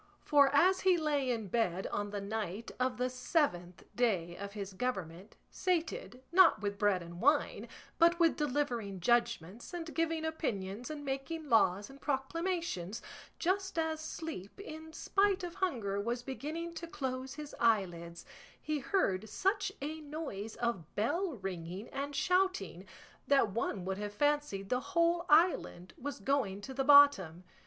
For as he lay in bed on the night of the seventh day of his government, sated, not with bread and wine, but with delivering judgments and giving opinions and making laws and proclamations, just as sleep, in spite of hunger, was beginning to close his eyelids, he heard such a noise of bell ringing and shouting that one would have fancied the whole island was going to the bottom.